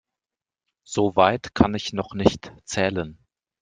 So weit kann ich noch nicht zählen.